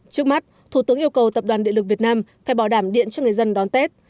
trước mắt thủ tướng yêu cầu tập đoàn địa lực việt nam phải bảo đảm điện cho người dân đón tết